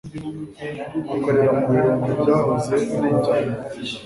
akorera mu birombe byahoze ari ibya leta